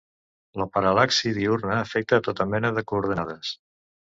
La paral·laxi diürna afecta tota mena de coordenades.